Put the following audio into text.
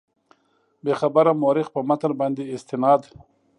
بېخبره مورخ په متن باندې استناد.